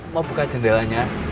mau buka jendelanya